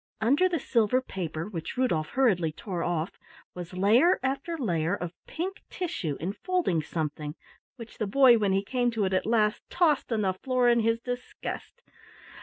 Under the silver paper which Rudolf hurriedly tore off, was layer after layer of pink tissue infolding something which the boy, when he came to it at last, tossed on the floor in his disgust.